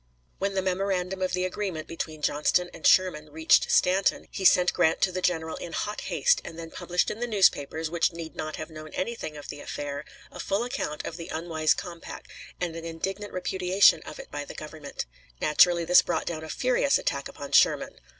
When the memorandum of the agreement between Johnston and Sherman reached Stanton, he sent Grant to the general in hot haste, and then published in the newspapers, which need not have known anything of the affair, a full account of the unwise compact, and an indignant repudiation of it by the Government. Naturally this brought down a furious attack upon Sherman.